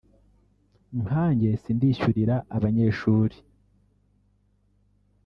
nkanjye sindishyurira abanyeshuri